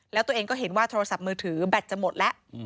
แล้วตัวเองก็เห็นว่าโทรศัพท์มือถือแบตจะหมดแล้ว